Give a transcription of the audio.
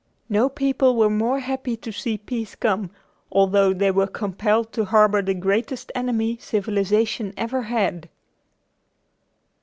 No people were more happy to see peace come although they were compelled to harbor the greatest enemy civilization ever had.